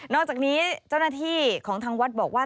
อกจากนี้เจ้าหน้าที่ของทางวัดบอกว่า